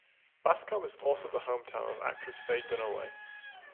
Bascom is also the hometown of actress Faye Dunaway.